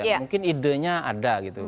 mungkin idenya ada gitu